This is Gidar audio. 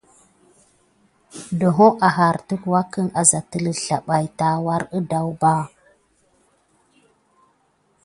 Ɗohô áháre wuka à sa telu zlabaki nakure gedar kuba.